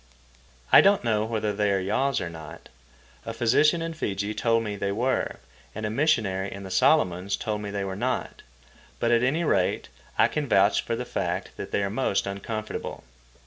I don't know whether they are yaws or not—a physician in Fiji told me they were, and a missionary in the Solomons told me they were not; but at any rate I can vouch for the fact that they are most uncomfortable.